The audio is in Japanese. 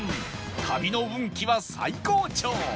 旅の運気は最高潮！